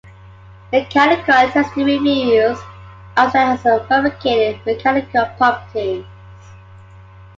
Mechanical testing reveals outstanding as-fabricated mechanical properties.